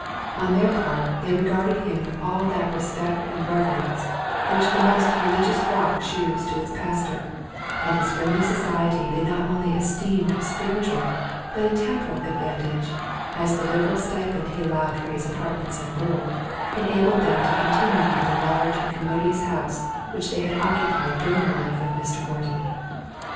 On their part, they regarded him with all that respect and reverence which the most religious flock shews to its pastor; and his friendly society they not only esteemed a spiritual, but a temporal advantage, as the liberal stipend he allowed for his apartments and board, enabled them to continue in the large and commodious house which they had occupied during the life of Mr. Horton.